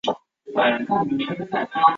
牛乳子树